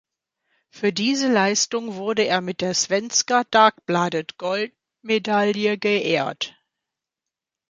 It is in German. Für diese Leistung wurde er mit der Svenska-Dagbladet-Goldmedaille geehrt.